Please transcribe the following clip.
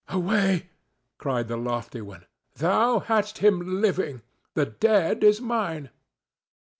"Away!" cried the lofty one. "Thou hadst him living; the dead is mine."